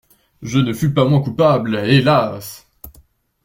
Je ne fus pas moins coupable, hélas!